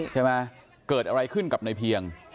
ใช่ไหมเกิดอะไรขึ้นกับในเพียง